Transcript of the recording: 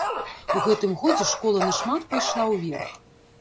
У гэтым годзе школа нашмат пайшла ўверх.